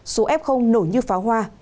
số f nổ như pháo hoa